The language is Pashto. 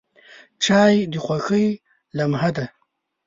چای د خوښۍ لمحه ده.